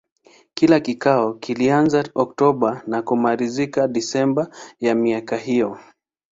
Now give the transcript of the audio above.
Kila kikao kilianza Oktoba na kumalizika Desemba ya miaka hiyo.